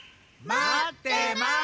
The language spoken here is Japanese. まってます！